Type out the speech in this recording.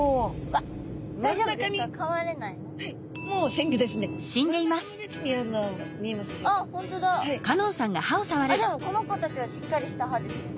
あっでもこの子たちはしっかりした歯ですね。